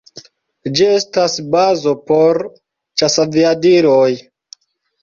Ĝi estas bazo por ĉasaviadiloj.